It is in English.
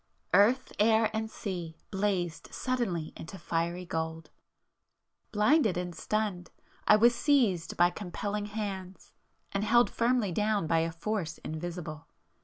Earth, air, and sea blazed suddenly into fiery gold,—blinded and stunned, I was seized by compelling hands and held firmly down by a force invisible